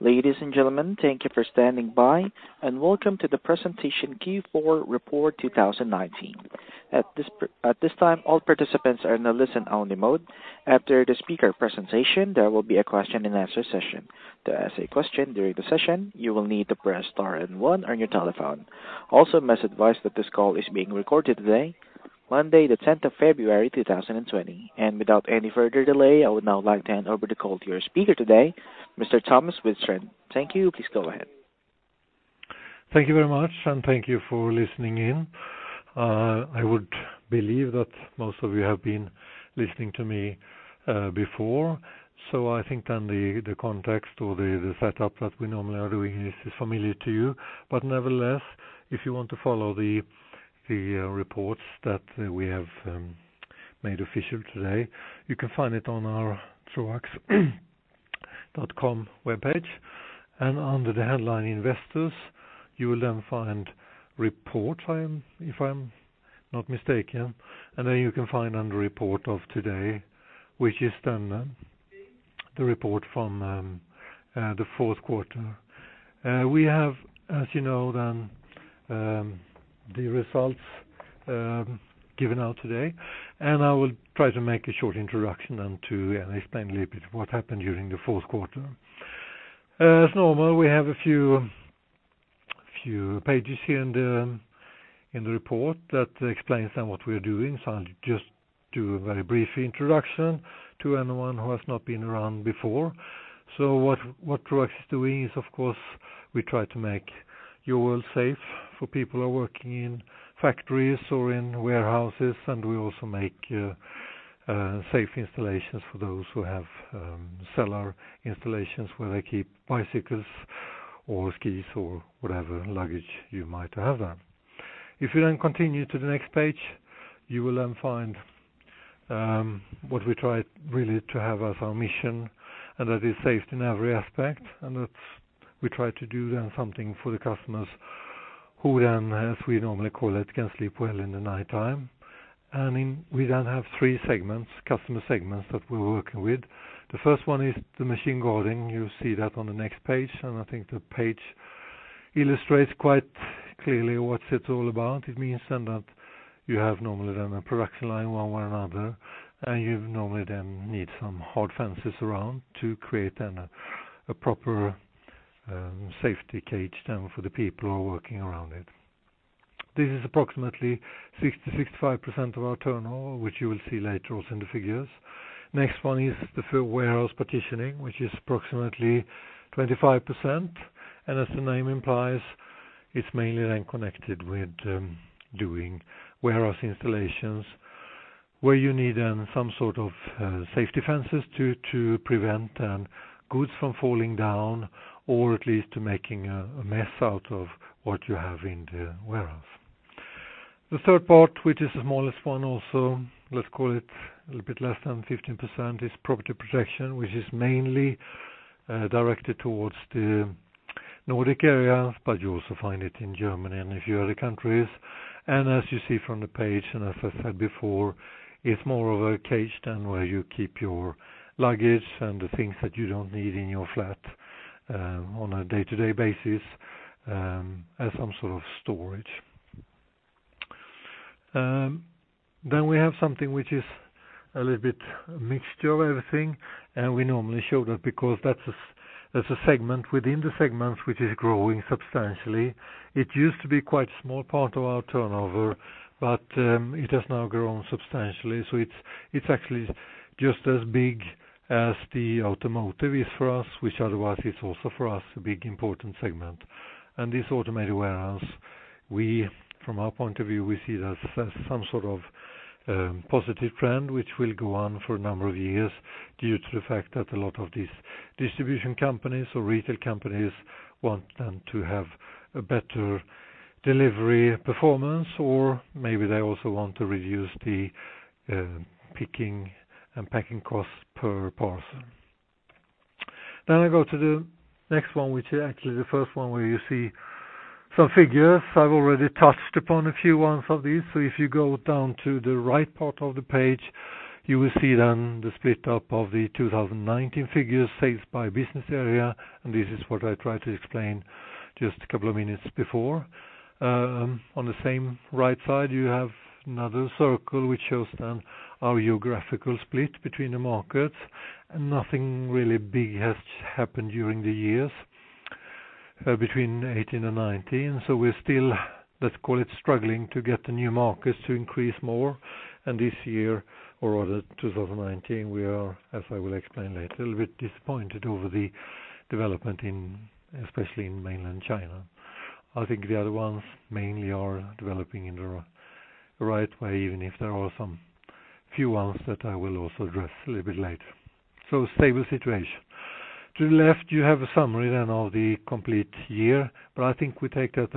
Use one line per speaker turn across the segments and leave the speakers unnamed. Ladies and gentlemen, thank you for standing by, and welcome to the Presentation Q4 Report 2019. At this time, all participants are in a listen-only mode. After the speaker presentation, there will be a question-and-answer session. To ask a question during the session, you will need to press star and one on your telephone. Also, I must advise that this call is being recorded today, Monday, the 10th of February 2020. Without any further delay, I would now like to hand over the call to your speaker today, Mr. Thomas Widstrand. Thank you. Please go ahead.
Thank you very much, and thank you for listening in. I would believe that most of you have been listening to me before, so I think then the context or the setup that we normally are doing is familiar to you. Nevertheless, if you want to follow the reports that we have made official today, you can find it on our troax.com webpage. Under the headline Investors, you will then find Reports, if I'm not mistaken. Then you can find under Report of today, which is then the report from the fourth quarter. We have, as you know, the results given out today, and I will try to make a short introduction and explain a little bit what happened during the fourth quarter. As normal, we have a few pages here in the report that explains what we're doing. I'll just do a very brief introduction to anyone who has not been around before. What Troax is doing is, of course, we try to make your world safe for people who are working in factories or in warehouses, and we also make safe installations for those who have cellar installations where they keep bicycles or skis or whatever luggage you might have. If you then continue to the next page, you will then find what we try really to have as our mission, and that is safety in every aspect. That we try to do something for the customers who then, as we normally call it, can sleep well in the nighttime. We then have three customer segments that we're working with. The first one is the machine guarding. You see that on the next page, and I think the page illustrates quite clearly what it's all about. It means then that you have normally a production line, one another, and you normally then need some hard fences around to create a proper safety cage then for the people who are working around it. This is approximately 60%-65% of our turnover, which you will see later also in the figures. Next one is the Warehouse Partitioning, which is approximately 25%. As the name implies, it's mainly then connected with doing warehouse installations where you need some sort of safety fences to prevent goods from falling down or at least making a mess out of what you have in the warehouse. The third part, which is the smallest one also, let's call it a little bit less than 15%, is property protection, which is mainly directed towards the Nordic area, but you also find it in Germany and a few other countries. As you see from the page, and as I said before, it's more of a cage then where you keep your luggage and the things that you don't need in your flat on a day-to-day basis as some sort of storage. We have something which is a little bit mixture of everything, and we normally show that because that's a segment within the segment which is growing substantially. It used to be quite a small part of our turnover, but it has now grown substantially. It's actually just as big as the automotive is for us, which otherwise is also for us a big important segment. This automated warehouse, from our point of view, we see it as some sort of positive trend which will go on for a number of years due to the fact that a lot of these distribution companies or retail companies want to have a better delivery performance, or maybe they also want to reduce the picking and packing costs per parcel. I go to the next one, which is actually the first one where you see some figures. I've already touched upon a few ones of these. If you go down to the right part of the page, you will see then the split up of the 2019 figures saved by business area, and this is what I tried to explain just a couple of minutes before. On the same right side, you have another circle which shows our geographical split between the markets. Nothing really big has happened during the years between 2018 and 2019. We're still, let's call it, struggling to get the new markets to increase more. This year, or rather 2019, we are, as I will explain later, a little bit disappointed over the development especially in mainland China. I think the other ones mainly are developing in the right way, even if there are some few ones that I will also address a little bit later, so, stable situation. To the left, you have a summary then of the complete year, but I think we take that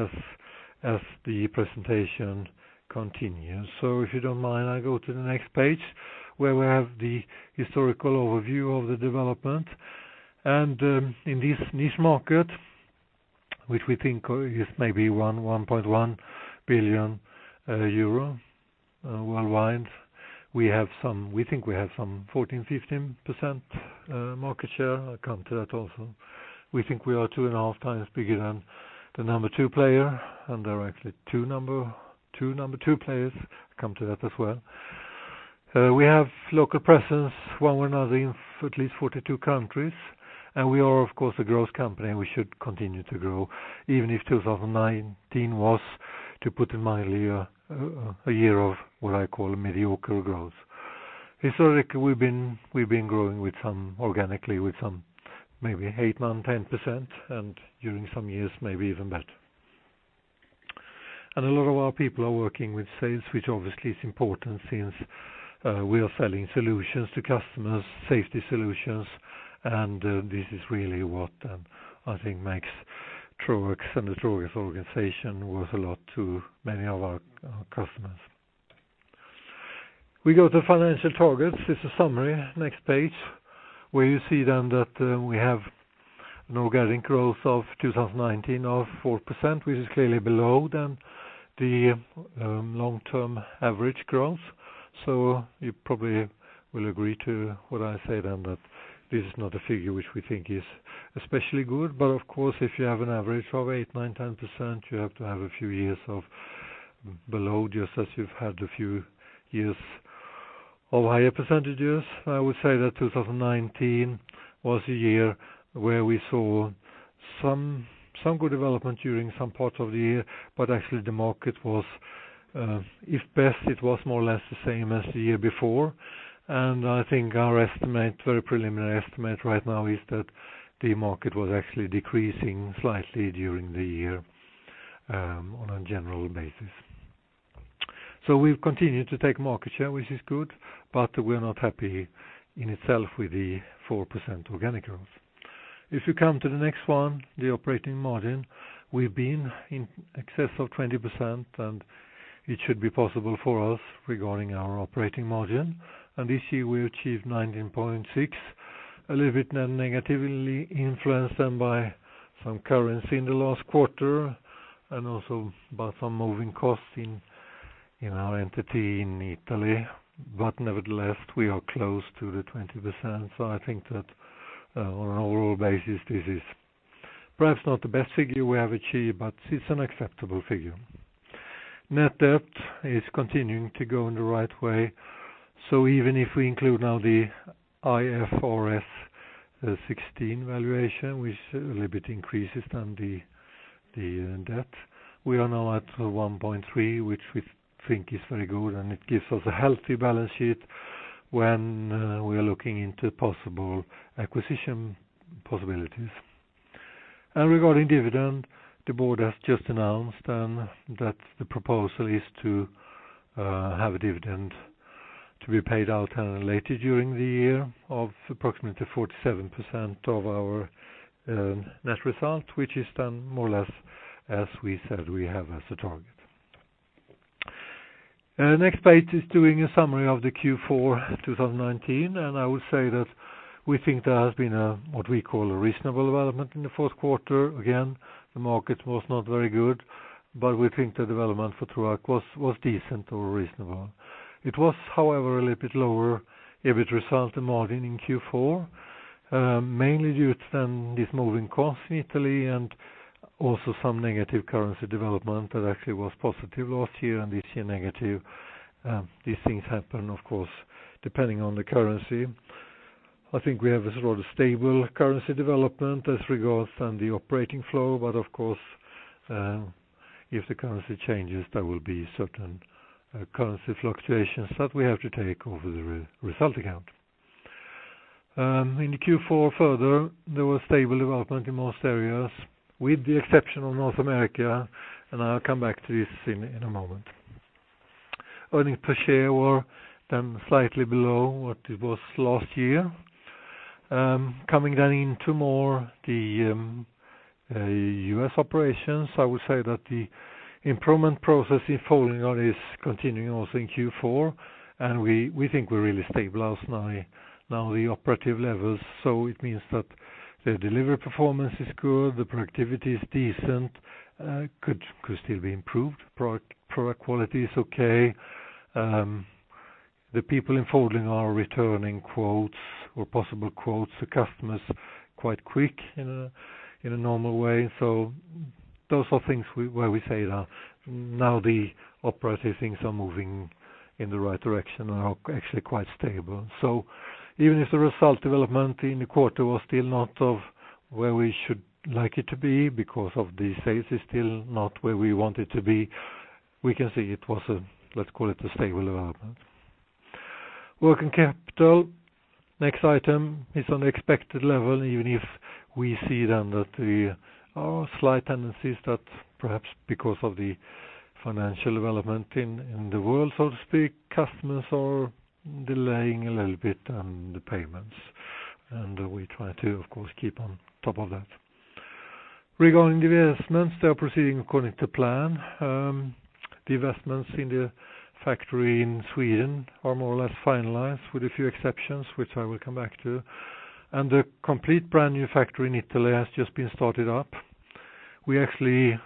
as the presentation continues. If you don't mind, I go to the next page where we have the historical overview of the development. In this niche market, which we think is maybe 1.1 billion euro worldwide. We think we have some 14%-15% market share. I'll come to that also. We think we are two and a half times bigger than the number two player, and there are actually two number two players. I'll come to that as well. We have local presence, one way or another, in at least 42 countries. We are, of course, a growth company, and we should continue to grow, even if 2019 was, to put it mildly, a year of what I call mediocre growth. Historically, we've been growing organically with some maybe 8%, 9%, 10%. During some years, maybe even better. A lot of our people are working with sales, which obviously is important since we are selling solutions to customers, safety solutions, and this is really what I think makes Troax and the Troax organization worth a lot to many of our customers. We go to financial targets. This is a summary, next page, where you see then that we have an organic growth of 2019 of 4%, which is clearly below than the long-term average growth. You probably will agree to what I say then that this is not a figure which we think is especially good. Of course, if you have an average of 8%, 9%, 10%, you have to have a few years of below, just as you've had a few years of higher percentages. I would say that 2019 was a year where we saw some good development during some parts of the year, but actually the market was, if best, it was more or less the same as the year before. I think our very preliminary estimate right now is that the market was actually decreasing slightly during the year on a general basis. We've continued to take market share, which is good, but we're not happy in itself with the 4% organic growth. If you come to the next one, the operating margin, we've been in excess of 20%, and it should be possible for us regarding our operating margin. This year, we achieved 19.6%, a little bit negatively influenced than by some currency in the last quarter, and also by some moving costs in our entity in Italy. Nevertheless, we are close to the 20%. I think that on an overall basis, this is perhaps not the best figure we have achieved, but it's an acceptable figure. Net debt is continuing to go in the right way. Even if we include now the IFRS 16 valuation, which a little bit increases than the debt, we are now at 1.3, which we think is very good, and it gives us a healthy balance sheet when we are looking into possible acquisition possibilities. Regarding dividend, the board has just announced that the proposal is to have a dividend to be paid out later during the year of approximately 47% of our net result, which is more or less as we said we have as a target. Next page is doing a summary of the Q4 2019. I would say that we think there has been what we call a reasonable development in the fourth quarter. Again, the market was not very good. We think the development for Troax was decent or reasonable. It was, however, a little bit lower EBIT result margin in Q4, mainly due to this moving cost in Italy and also some negative currency development that actually was positive last year and this year negative. These things happen, of course, depending on the currency. I think we have a sort of stable currency development as regards the operating flow. Of course, if the currency changes, there will be certain currency fluctuations that we have to take over the result account. In the Q4 further, there was stable development in most areas with the exception of North America, and I'll come back to this in a moment. Earnings per share were slightly below what it was last year. Coming then into more the U.S. operations, I would say that the improvement process in Folding Guard is continuing also in Q4. We think we're really stable now the operative levels. It means that the delivery performance is good, the productivity is decent, could still be improved. Product quality is okay. The people in Folding Guard are returning quotes or possible quotes to customers quite quick in a normal way. Those are things where we say that now the operative things are moving in the right direction and are actually quite stable. Even if the result development in the quarter was still not of where we should like it to be because of the sales is still not where we want it to be, we can say it was, let's call it a stable development. Working capital, next item, is on expected level, even if we see then that there are slight tendencies that perhaps because of the financial development in the world, so to speak, customers are delaying a little bit the payments, and we try to, of course, keep on top of that. Regarding the investments, they are proceeding according to plan. The investments in the factory in Sweden are more or less finalized, with a few exceptions, which I will come back to. The complete brand-new factory in Italy has just been started up. We actually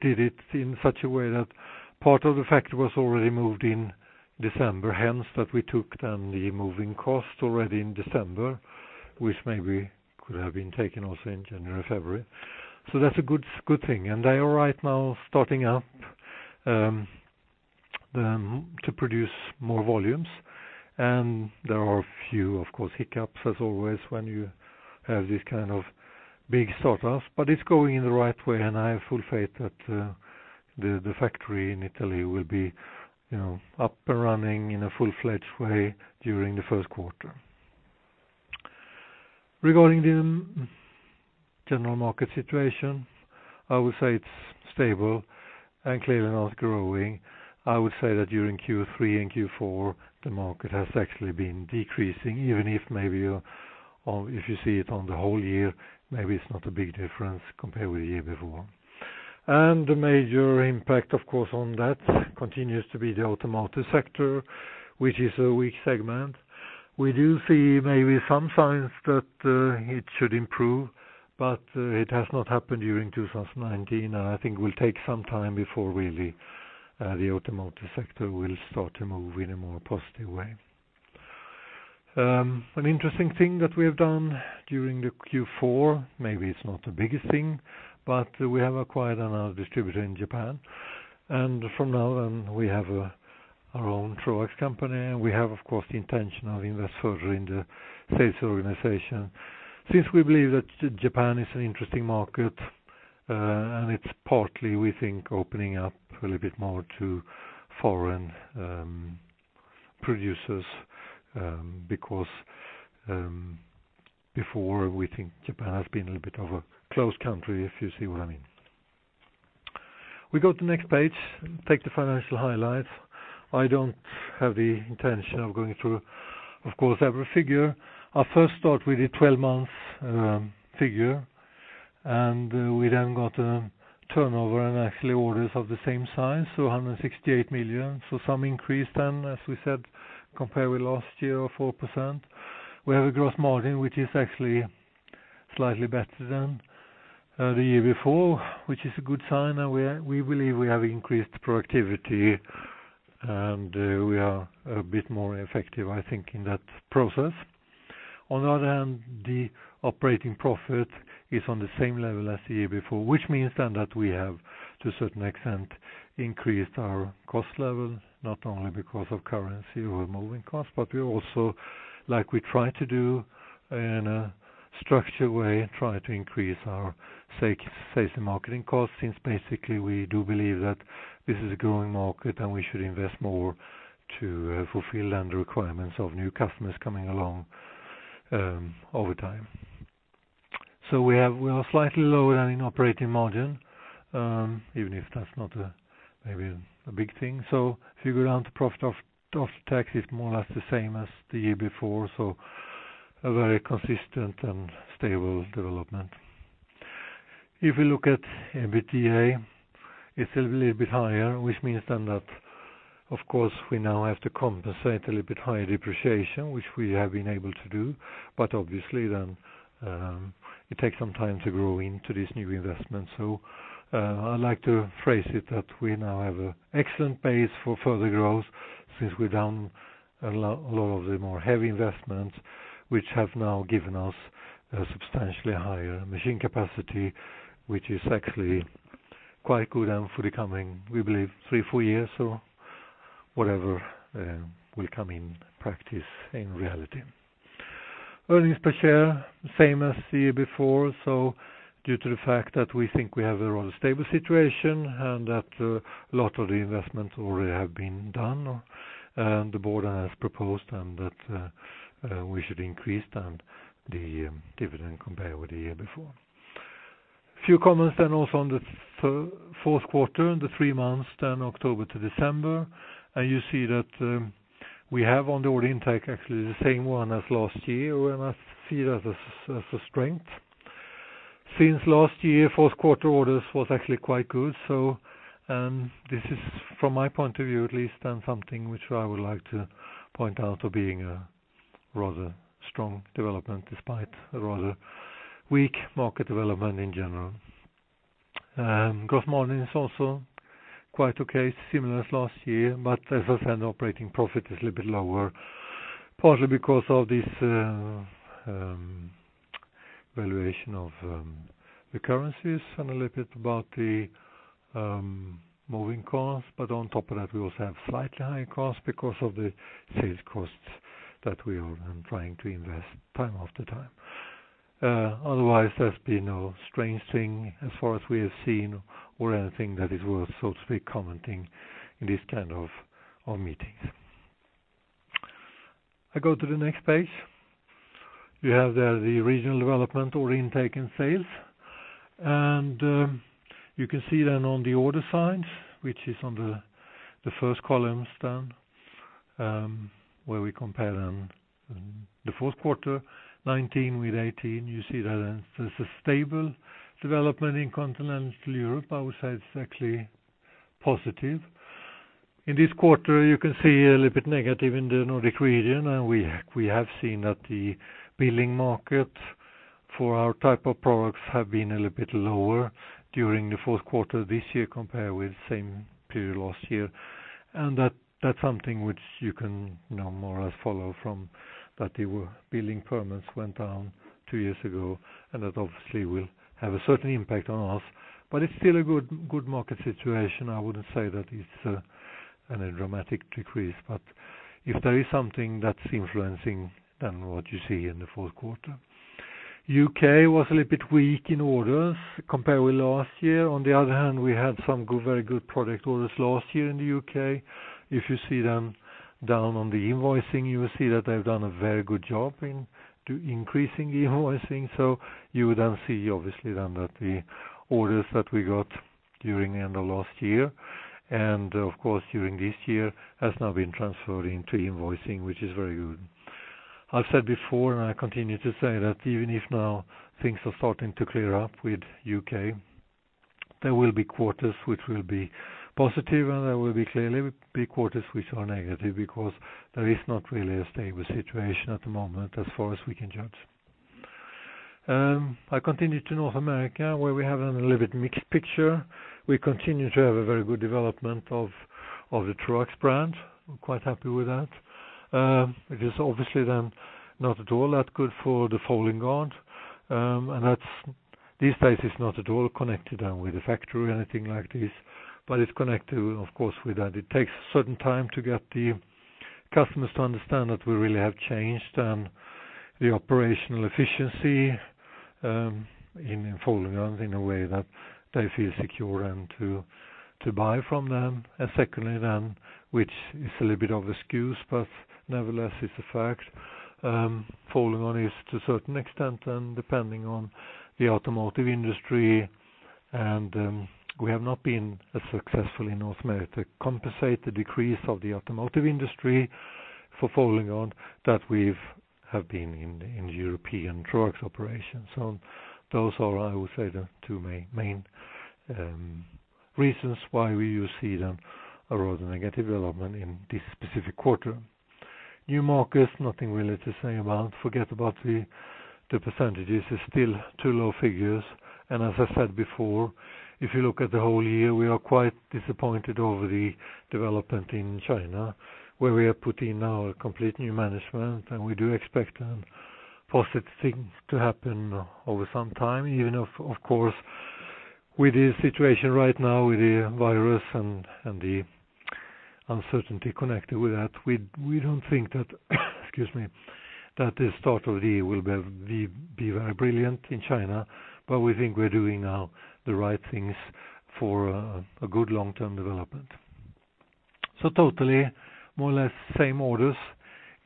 did it in such a way that part of the factory was already moved in December, hence that we took down the moving cost already in December, which maybe could have been taken also in January, February. That's a good thing. They are right now starting up to produce more volumes. There are a few, of course, hiccups as always when you have these kind of big startups, but it's going in the right way, and I have full faith that the factory in Italy will be up and running in a full-fledged way during the first quarter. Regarding the general market situation, I would say it's stable and clearly not growing. I would say that during Q3 and Q4, the market has actually been decreasing, even if maybe or if you see it on the whole year, maybe it's not a big difference compared with the year before. The major impact, of course, on that continues to be the automotive sector, which is a weak segment. We do see maybe some signs that it should improve, but it has not happened during 2019. I think will take some time before really the automotive sector will start to move in a more positive way. An interesting thing that we have done during the Q4, maybe it's not the biggest thing. We have acquired another distributor in Japan. From now on, we have our own Troax company. We have, of course, the intention of invest further in the sales organization since we believe that Japan is an interesting market. It's partly, we think, opening up a little bit more to foreign producers, because before, we think Japan has been a little bit of a closed country, if you see what I mean. We go to the next page, take the financial highlights. I don't have the intention of going through, of course, every figure. I'll first start with the 12 months figure. We then got a turnover and actually orders of the same size, so 1680 million. Some increase then, as we said, compared with last year of 4%. We have a gross margin, which is actually slightly better than the year before, which is a good sign, and we believe we have increased productivity, and we are a bit more effective, I think, in that process. On the other hand, the operating profit is on the same level as the year before, which means then that we have, to a certain extent, increased our cost level, not only because of currency or moving cost, but we also, like we try to do in a structured way, try to increase our sales and marketing cost, since basically we do believe that this is a growing market and we should invest more to fulfill the requirements of new customers coming along over time. We are slightly lower than in operating margin, even if that's not maybe a big thing. Figure out the profit of tax is more or less the same as the year before, so a very consistent and stable development. If we look at EBITDA, it's a little bit higher, which means then that, of course, we now have to compensate a little bit higher depreciation, which we have been able to do. Obviously then, it takes some time to grow into this new investment. I like to phrase it that we now have an excellent base for further growth since we've done a lot of the more heavy investment, which have now given us a substantially higher machine capacity, which is actually quite good and for the coming, we believe three, four years, or whatever will come in practice in reality. Earnings per share, same as the year before. Due to the fact that we think we have a rather stable situation and that a lot of the investments already have been done, and the board has proposed, and that we should increase then the dividend compared with the year before. Few comments then also on the fourth quarter, the three months then October to December. You see that we have on the order intake, actually the same one as last year, and I see it as a strength. Since last year, fourth quarter orders was actually quite good. This is from my point of view at least, and something which I would like to point out to being a rather strong development despite a rather weak market development in general. Gross margin is also quite okay, similar to last year, but as I said, operating profit is a little bit lower, partly because of this valuation of the currencies and a little bit about the moving costs. On top of that, we also have slightly higher costs because of the sales costs that we are then trying to invest time after time. Otherwise, there's been no strange thing as far as we have seen or anything that is worth so to speak commenting in this kind of meetings. I go to the next page. You have there the regional development order intake and sales. You can see then on the order signs, which is on the first columns, then where we compare the fourth quarter 2019 with 2018, you see that there's a stable development in Continental Europe. I would say it's actually positive. In this quarter, you can see a little bit negative in the Nordic region. We have seen that the building market for our type of products have been a little bit lower during the fourth quarter this year compared with the same period last year. That's something which you can now more or less follow from that the building permits went down two years ago, and that obviously will have a certain impact on us, but it's still a good market situation. I wouldn't say that it's a dramatic decrease, but if there is something that's influencing then what you see in the fourth quarter. U.K. was a little bit weak in orders compared with last year. On the other hand, we had some very good product orders last year in the U.K. If you see them down on the invoicing, you will see that they've done a very good job in increasing the invoicing. You would then see, obviously, that the orders that we got during the end of last year, and of course during this year, has now been transferred into invoicing, which is very good. I've said before, and I continue to say that even if now things are starting to clear up with U.K., there will be quarters which will be positive, and there will clearly be quarters which are negative, because there is not really a stable situation at the moment as far as we can judge. I continue to North America, where we have a little bit mixed picture. We continue to have a very good development of the Troax brand. I'm quite happy with that. It is obviously then not at all that good for the Folding Guard, and these days it's not at all connected with the factory or anything like this, but it's connected, of course, with that it takes a certain time to get the customers to understand that we really have changed the operational efficiency in Folding Guard in a way that they feel secure to buy from them. Secondly, which is a little bit of excuse, but nevertheless, it's a fact, Folding Guard is to a certain extent depending on the automotive industry, and we have not been as successful in North America to compensate the decrease of the automotive industry for Folding Guard that we have been in European Troax operations. Those are, I would say, the two main reasons why we see a rather negative development in this specific quarter. New markets, nothing really to say about. Forget about the percentage. It's still too low figures. As I said before, if you look at the whole year, we are quite disappointed over the development in China, where we have put in now a complete new management, and we do expect positive things to happen over some time, even if, of course, with the situation right now with the virus and the uncertainty connected with that, we don't think that excuse me, that the start of the year will be very brilliant in China, but we think we're doing now the right things for a good long-term development. Totally, more or less same orders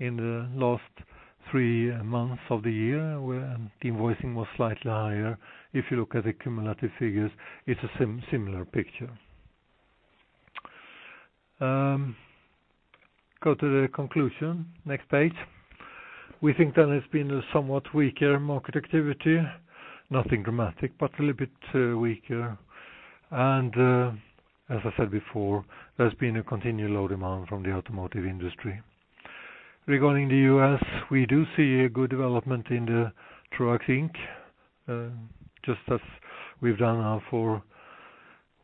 in the last three months of the year, where the invoicing was slightly higher. If you look at the cumulative figures, it's a similar picture. Go to the conclusion, next page. We think that it's been a somewhat weaker market activity. Nothing dramatic, but a little bit weaker. As I said before, there's been a continued low demand from the automotive industry. Regarding the U.S., we do see a good development in the Troax Inc. Just as we've done now for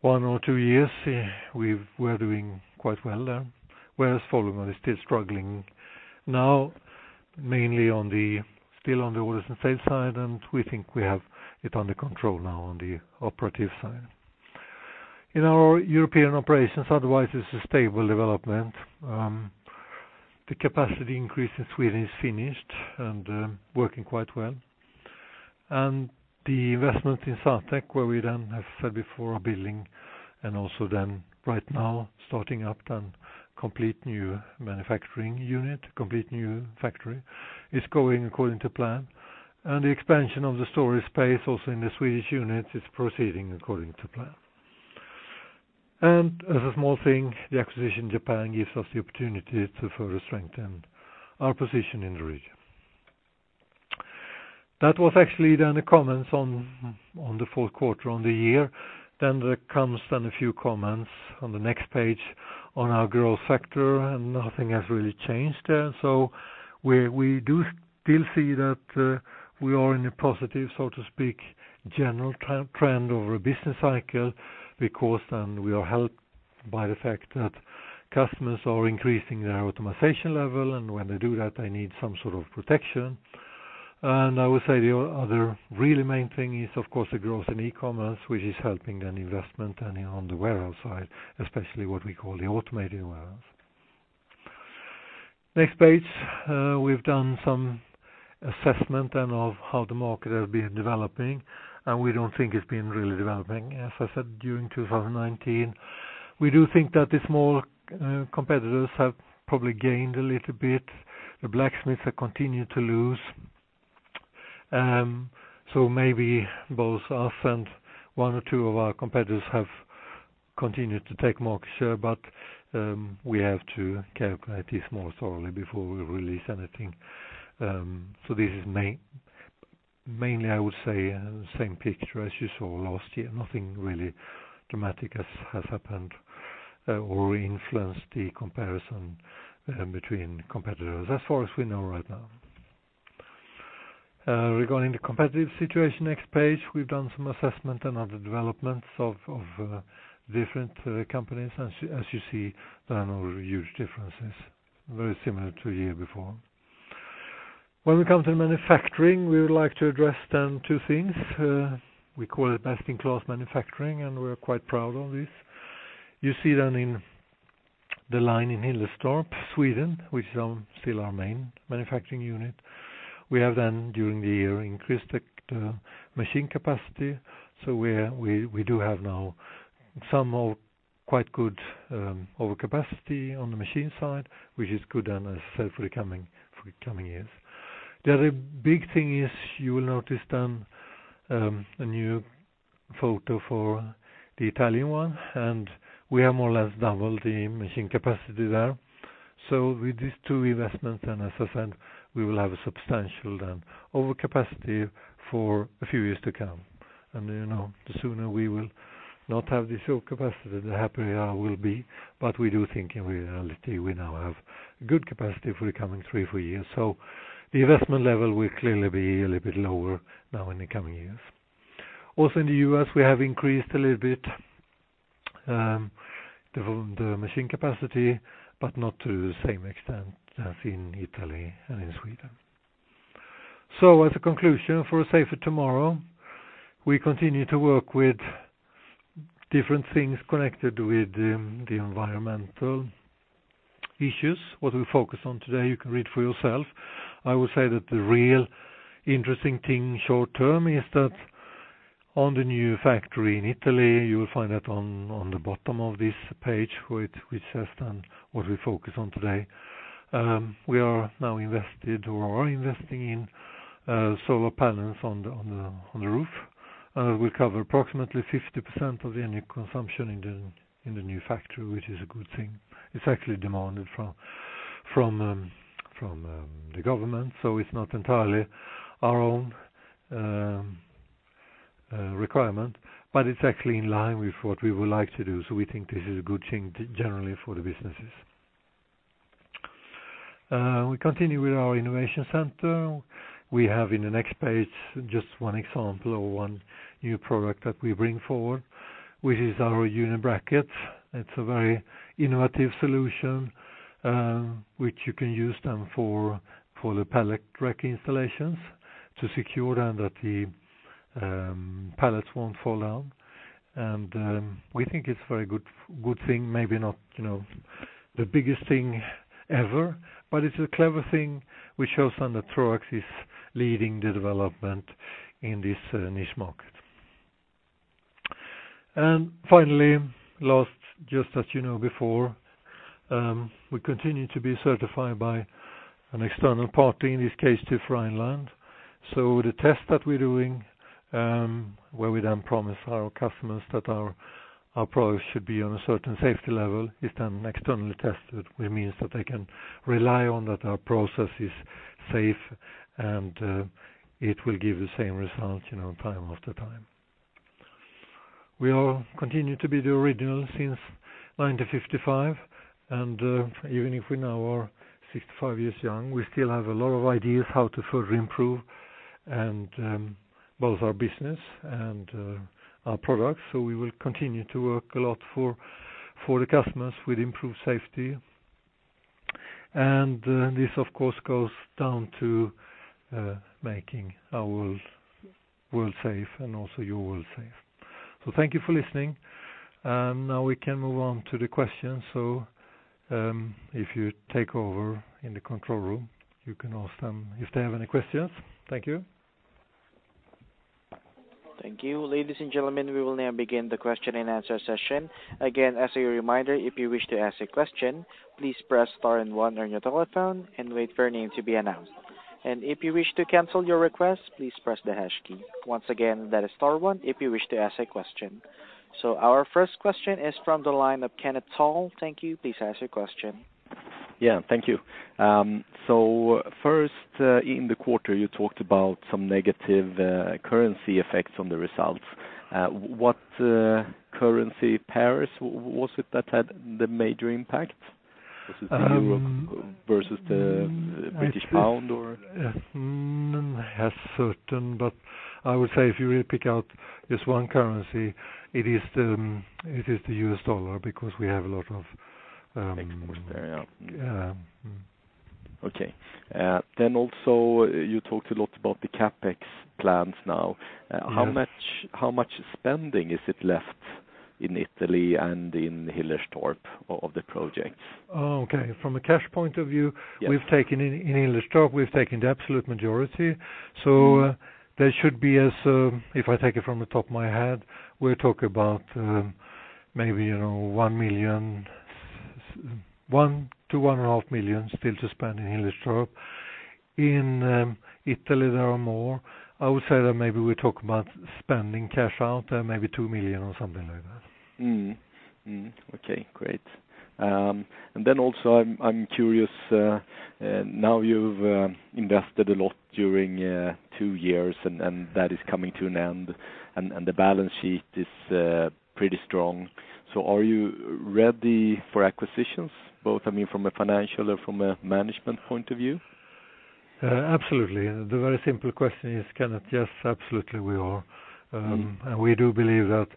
one or two years, we're doing quite well there. Whereas Folding Guard is still struggling now, mainly still on the orders and sales side, and we think we have it under control now on the operative side. In our European operations, otherwise, it's a stable development. The capacity increase in Sweden is finished and working quite well. The investment in Satech, where we then have said before are building, and also then right now starting up a complete new manufacturing unit, a complete new factory, is going according to plan. The expansion of the storage space, also in the Swedish unit, is proceeding according to plan. As a small thing, the acquisition in Japan gives us the opportunity to further strengthen our position in the region. That was actually then the comments on the fourth quarter on the year. There comes a few comments on the next page on our growth factor, and nothing has really changed there. We do still see that we are in a positive, so to speak, general trend over a business cycle, because then we are helped by the fact that customers are increasing their automation level, and when they do that, they need some sort of protection. I would say the other really main thing is, of course, the growth in e-commerce, which is helping then investment then on the warehouse side, especially what we call the automated warehouse. Next page, we've done some assessment then of how the market has been developing. We don't think it's been really developing, as I said, during 2019. We do think that the small competitors have probably gained a little bit. The blacksmiths have continued to lose. Maybe both us and one or two of our competitors have continued to take market share. We have to calculate this more thoroughly before we release anything. This is mainly, I would say, same picture as you saw last year. Nothing really dramatic has happened or influenced the comparison between competitors, as far as we know right now. Regarding the competitive situation, next page, we've done some assessment and other developments of different companies. As you see, there are no huge differences. Very similar to a year before. When we come to manufacturing, we would like to address then two things. We call it best-in-class manufacturing, and we're quite proud of this. You see then in the line in Hillerstorp, Sweden, which is still our main manufacturing unit. We have then, during the year, increased the machine capacity, so we do have now some quite good overcapacity on the machine side, which is good and necessary for the coming years. The other big thing is, you will notice then, a new photo for the Italian one, and we have more or less doubled the machine capacity there. With these two investments, and as I said, we will have a substantial overcapacity for a few years to come. The sooner we will not have the short capacity, the happier I will be. We do think, in reality, we now have good capacity for the coming three, four years. The investment level will clearly be a little bit lower now in the coming years. Also, in the U.S., we have increased a little bit the machine capacity, but not to the same extent as in Italy and in Sweden. As a conclusion for a safer tomorrow, we continue to work with different things connected with the environmental issues. What we focus on today, you can read for yourself. I would say that the real interesting thing short-term is that on the new factory in Italy, you will find that on the bottom of this page, which says then what we focus on today, we are now invested or are investing in solar panels on the roof. We cover approximately 50% of the energy consumption in the new factory, which is a good thing. It's actually demanded from the government, so it's not entirely our own requirement, but it's actually in line with what we would like to do. We think this is a good thing, generally, for the businesses. We continue with our innovation center. We have in the next page just one example or one new product that we bring forward, which is our Uni-Bracket. It's a very innovative solution, which you can use then for the pallet rack installations to secure then that the pallets won't fall down. We think it's a very good thing, maybe not the biggest thing ever, but it's a clever thing, which shows then that Troax is leading the development in this niche market. Finally, last, just that you know before, we continue to be certified by an external party, in this case, TÜV Rheinland. The test that we're doing, where we then promise our customers that our products should be on a certain safety level, is then externally tested, which means that they can rely on that our process is safe, and it will give the same results time after time. We continue to be the original since 1955, and even if we now are 65 years young, we still have a lot of ideas how to further improve both our business and our products. We will continue to work a lot for the customers with improved safety, and this, of course, goes down to making our world safe, and also your world safe. Thank you for listening. Now we can move on to the questions. If you take over in the control room, you can ask them if they have any questions. Thank you.
Thank you. Ladies and gentlemen, we will now begin the question and answer session. Again, as a reminder, if you wish to ask a question, please press star and one on your telephone and wait for your name to be announced. If you wish to cancel your request, please press the hash key. Once again, that is star one if you wish to ask a question. Our first question is from the line of Kenneth Toll. Thank you. Please ask your question.
Yeah, thank you. First, in the quarter, you talked about some negative currency effects on the results. What currency pairs was it that had the major impact? Was it the euro versus the British pound, or?
Not certain, but I would say if you will pick out just one currency, it is the U.S. dollar because we have a lot.
Exports there, yeah.
Yeah.
Okay. Also, you talked a lot about the CapEx plans now.
Yes.
How much spending is it left in Italy and in Hillerstorp of the projects?
Okay. From a cash point of view.
Yes
in Hillerstorp, we've taken the absolute majority. There should be, if I take it from the top of my head, we're talking about maybe 1 million-1.5 million still to spend in Hillerstorp. In Italy, there are more. I would say that maybe we're talking about spending cash out there, maybe 2 million or something like that.
Okay, great. Also, I am curious, now you have invested a lot during two years, and that is coming to an end, and the balance sheet is pretty strong. Are you ready for acquisitions, both from a financial or from a management point of view?
Absolutely. The very simple question is, Kenneth, yes, absolutely we are. We do believe that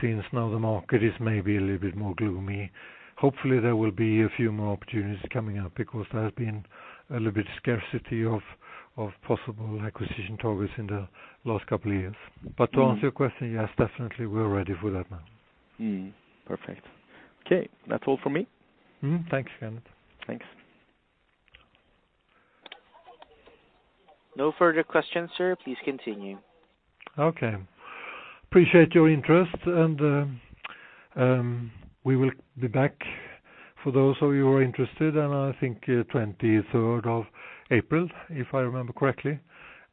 since now the market is maybe a little bit more gloomy, hopefully, there will be a few more opportunities coming up because there has been a little bit scarcity of possible acquisition targets in the last couple of years. To answer your question, yes, definitely, we're ready for that now.
Perfect. Okay. That's all from me.
Thanks, Kenneth.
Thanks.
No further questions, sir. Please continue.
Okay. Appreciate your interest. We will be back for those of you who are interested on, I think, 23rd of April, if I remember correctly.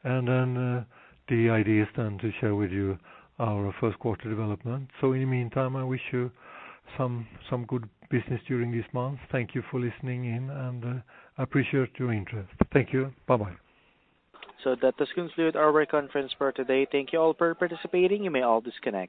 The idea is then to share with you our first quarter development. In the meantime, I wish you some good business during this month. Thank you for listening in. I appreciate your interest. Thank you. Bye-bye.
That does conclude our conference for today. Thank you all for participating. You may all disconnect.